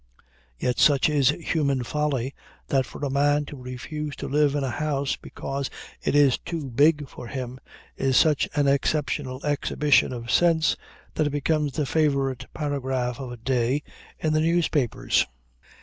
Yet such is human folly, that for a man to refuse to live in a house because it is too big for him, is such an exceptional exhibition of sense that it becomes the favorite paragraph of a day in the newspapers.